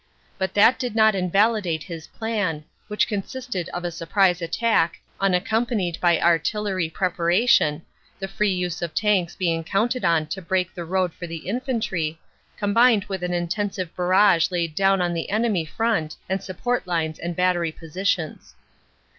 But that did not invalidate his plan, which consisted of a sur prise attack, unaccompanied by artillery preparation, the free use of tanks being counted on to break the road for the infantry, combined with an intensive barrage laid down on the enemy front and support lines and battery positions.